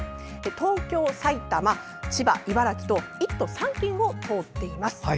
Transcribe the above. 東京、埼玉、千葉、茨城と１都３県を通っています。